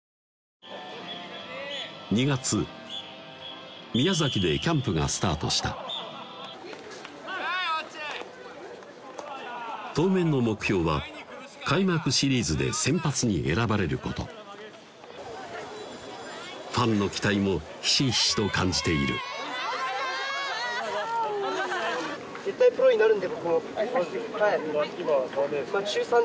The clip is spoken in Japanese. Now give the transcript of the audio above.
２月宮崎でキャンプがスタートした当面の目標は開幕シリーズで先発に選ばれることファンの期待もひしひしと感じている中